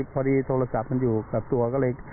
โทรศัพท์มันอยู่กับตัวก็เลย